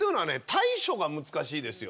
対処が難しいですよ。